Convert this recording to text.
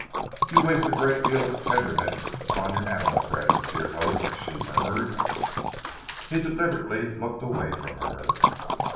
"You waste a great deal of tenderness upon your animal friends, dear host," she murmured. He deliberately looked away from her.